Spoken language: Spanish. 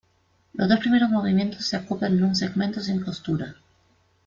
Los dos primeros movimientos se acoplan en un segmento sin costura.